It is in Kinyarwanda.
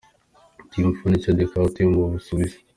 Team Furniture Decarte yo mu Busuwisi.